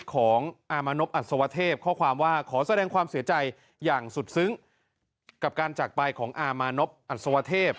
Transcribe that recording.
ข้อความว่าขอแสดงความเสียใจอย่างสุดซึ้งกับการจักรไปของอามานพอัสวเทพ